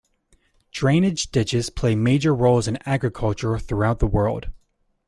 Drainage ditches play major roles in agriculture throughout the world.